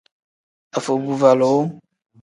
Afobuvalu.